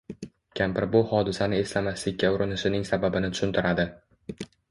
Kampir bu hodisani eslamaslikka urinishining sababini tushuntiradi